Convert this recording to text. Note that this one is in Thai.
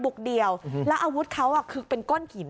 เดียวแล้วอาวุธเขาคือเป็นก้นหิน